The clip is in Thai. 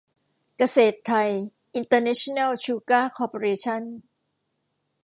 เกษตรไทย อินเตอร์เนชั่นแนล ชูการ์ คอร์ปอเรชั่น